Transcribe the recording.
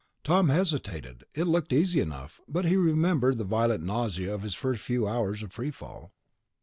Tom hesitated. It looked easy enough ... but he remembered the violent nausea of his first few hours of free fall.